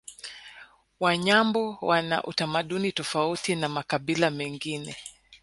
Wanyambo wana utamaduni tofauti na makabila mengine